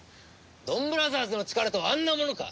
ドンブラザーズの力とはあんなものか！